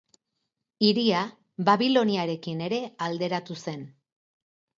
Hiria Babiloniarekin ere alderatu zen.